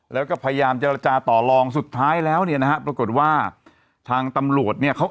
แล้วก็พยายามเจรจาต่อลองสุดท้ายแล้วเนี่ยนะฮะปรากฏว่าทางตำรวจเนี่ยเขา